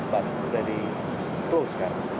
ya sudah di close kan